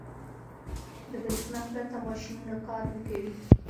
• د برېښنا پرته ماشينونه کار نه کوي.